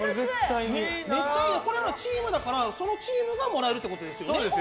これはチームだからそのチームがもらえるということですよね。